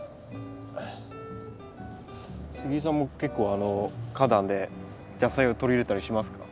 杉井さんも結構花壇で野菜を取り入れたりしますか？